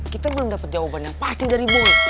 kita belum dapet jawaban yang pasti dari boy